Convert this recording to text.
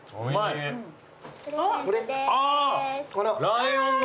ライオンの。